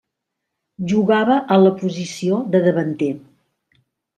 Jugava a la posició de davanter.